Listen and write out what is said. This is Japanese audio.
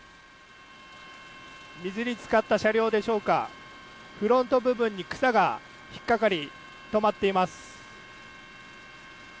水につかった車両でしょうかフロント部分に草が引っかかり止まっています。